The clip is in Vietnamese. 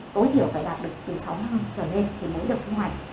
tối hiểu phải đạt được từ sáu năm trở lên thì mới được thu hoạch